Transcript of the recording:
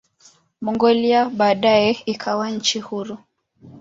Mongolia baadaye ikawa nchi huru.